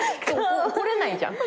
怒れないじゃん。